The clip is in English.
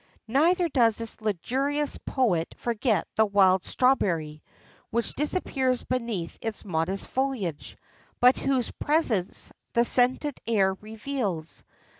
Neither does this luxurious poet forget the wild strawberry,[XIII 71] which disappears beneath its modest foliage, but whose presence the scented air reveals.